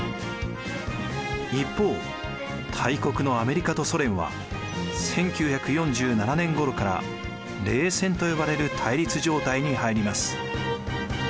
一方大国のアメリカとソ連は１９４７年ごろから冷戦と呼ばれる対立状態に入ります。